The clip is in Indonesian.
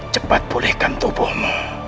cepat pulihkan tubuhmu